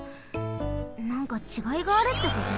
なんかちがいがあるってこと？